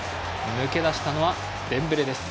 抜け出したのはデンベレ。